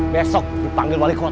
besok dipanggil wali kota